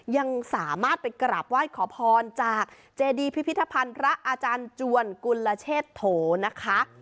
ยังสามารถไปกราบไหว้ขอพรจากเจดีพิพิธภัณฑ์พระอาจารย์จวนกุลเชษโถนะคะ